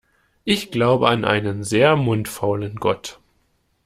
Ich glaube an einen sehr mundfaulen Gott.